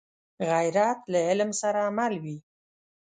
غیرت له علم سره مل وي